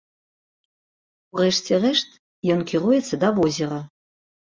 У рэшце рэшт, ён кіруецца да возера.